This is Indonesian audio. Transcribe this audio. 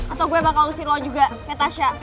atau gue bakal ngusir lo juga kayak tasya